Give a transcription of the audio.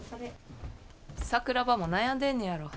桜庭も悩んでんねやろ。